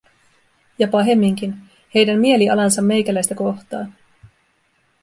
Ja pahemminkin: heidän mielialansa meikäläistä kohtaan.